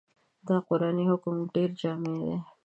دا قرآني حکم ډېر جامع دی.